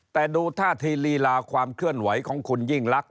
แต่ดูท่าทีลีลาความเคลื่อนไหวของคุณยิ่งลักษ